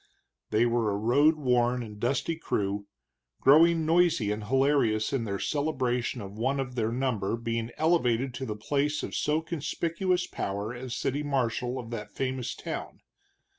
They were a road worn and dusty crew, growing noisy and hilarious in their celebration of one of their number being elevated to the place of so conspicuous power as city marshal of that famous town.